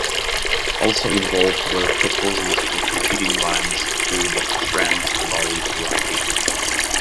Also involved were proposals for competing lines through the Trent valley to Rugby.